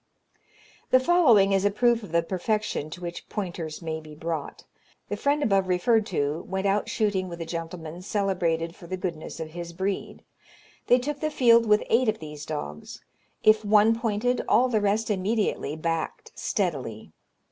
The following is a proof of the perfection to which pointers may be brought. The friend above referred to went out shooting with a gentleman celebrated for the goodness of his breed. They took the field with eight of these dogs. If one pointed, all the rest immediately backed steadily.